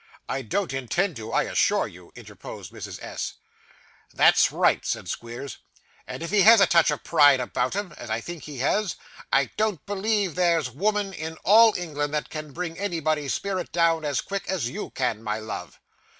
'I don't intend to, I assure you,' interposed Mrs. S. 'That's right,' said Squeers; 'and if he has a touch of pride about him, as I think he has, I don't believe there's woman in all England that can bring anybody's spirit down, as quick as you can, my love.